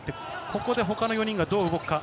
ここで他の４人がどう動くか。